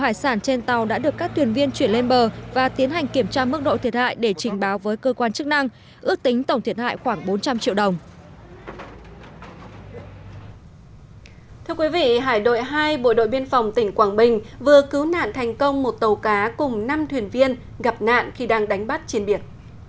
hải đội hai bộ đội biên phòng tỉnh quảng bình vừa cứu nạn thành công một tàu cá cùng năm thuyền viên gặp nạn khi đang đánh bắt chiến biệt